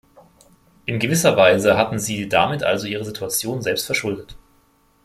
In gewisser Weise hatten sie damit also ihre Situation selbst verschuldet.